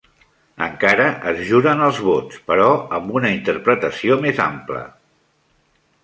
Encara es juren els vots, però amb una interpretació més ampla.